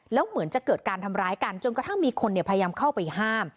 แล้วเหมือนจะเกิดการทำร้ายกันจนกระทั่งมีคนพยายามเข้าไปห้าม